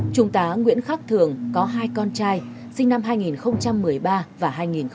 chúng ta nguyễn khắc thường có hai con trai sinh năm hai nghìn một mươi ba và hai nghìn một mươi bốn